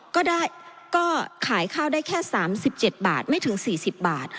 ก็ได้ก็ขายข้าวได้แค่๓๗บาทไม่ถึง๔๐บาท